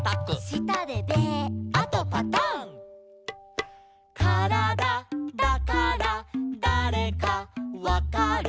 「したでベー」「あとパタン」「からだだからだれかわかる」